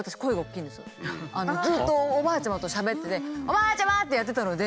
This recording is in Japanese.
ずっとおばあちゃまとしゃべってて「おばあちゃま！」ってやってたので。